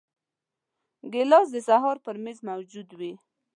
ګیلاس د سهار پر میز موجود وي.